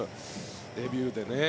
デビューで。